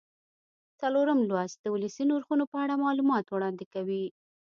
څلورم لوست د ولسي نرخونو په اړه معلومات وړاندې کوي.